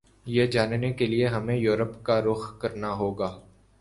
یہ جاننے کیلئے ہمیں یورپ کا رخ کرنا ہوگا